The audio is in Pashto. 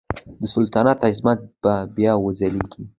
د سلطنت عظمت به بیا وځلیږي.